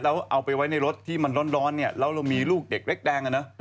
แล้วเอาไปไว้ในรถที่มันร้อนเนี่ยแล้วเรามีลูกเด็กเล็กแดงอะนะ